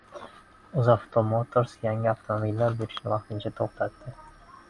UzAuto Motors yangi avtomobillar berishni vaqtincha to‘xtatdi